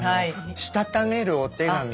したためるお手紙って。